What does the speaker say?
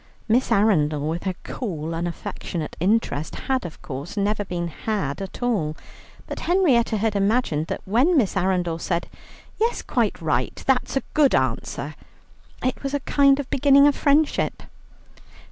Miss Arundel, with her cool, unaffectionate interest, had, of course, never been "had" at all, but Henrietta had imagined that when Miss Arundel said "Yes, quite right, that's a good answer," it was a kind of beginning of friendship.